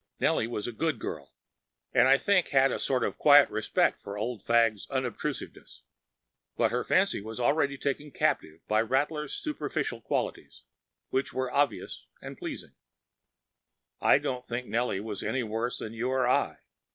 Nellie was a good girl, and I think had a sort of quiet respect for Old Fagg’s unobtrusiveness. But her fancy was already taken captive by Rattler’s superficial qualities, which were obvious and pleasing. I don’t think Nellie was any worse than you or I.